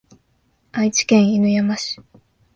愛知県犬山市